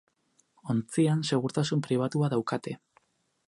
Ontzian segurtasun pribatua daukate.